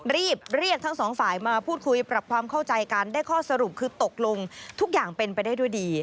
รีบเรียกทั้งสองฝ่ายมาพูดคุยปรับความเข้าใจกันได้ข้อสรุปคือตกลงทุกอย่างเป็นไปได้ด้วยดี